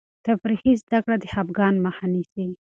تفریحي زده کړه د خفګان مخه نیسي.